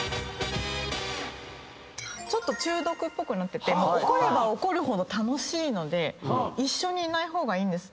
ちょっと中毒っぽくなってて怒れば怒るほど楽しいので一緒にいない方がいいんです。